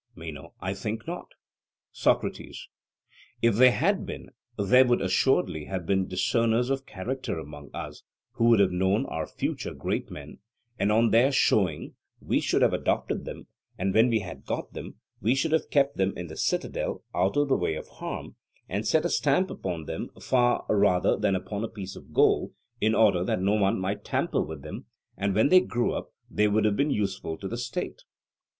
MENO: I think not. SOCRATES: If they had been, there would assuredly have been discerners of characters among us who would have known our future great men; and on their showing we should have adopted them, and when we had got them, we should have kept them in the citadel out of the way of harm, and set a stamp upon them far rather than upon a piece of gold, in order that no one might tamper with them; and when they grew up they would have been useful to the state?